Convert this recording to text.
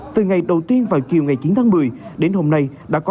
từ ngày đầu tiên vào chiều ngày chín tháng một mươi đến hôm nay